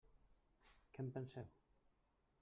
Què en penseu?